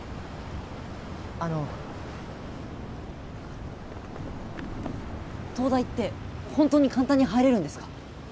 あの東大ってホントに簡単に入れるんですか？